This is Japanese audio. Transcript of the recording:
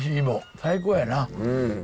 最高やな。